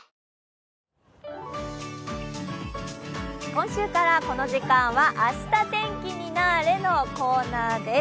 今週からこの時間は「あした天気になーれ！」のコーナーです。